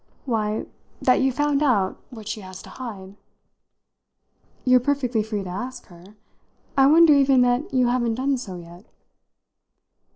"Why, that you've found out what she has to hide." "You're perfectly free to ask her. I wonder even that you haven't done so yet."